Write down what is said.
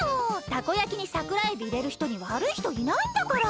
たこ焼きにサクラエビいれるひとにわるいひといないんだから。